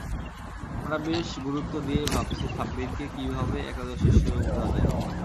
আমরা বেশ গুরুত্ব দিয়েই ভাবছি সাব্বিরকে কীভাবে একাদশে সুযোগ দেওয়া যায়।